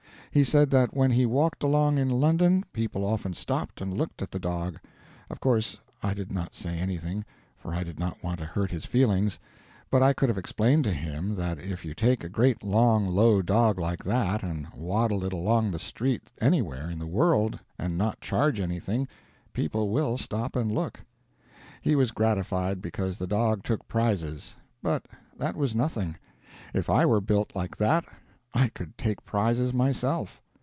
He said that when he walked along in London, people often stopped and looked at the dog. Of course I did not say anything, for I did not want to hurt his feelings, but I could have explained to him that if you take a great long low dog like that and waddle it along the street anywhere in the world and not charge anything, people will stop and look. He was gratified because the dog took prizes. But that was nothing; if I were built like that I could take prizes myself.